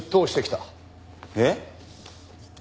えっ？